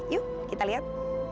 yuk kita lihat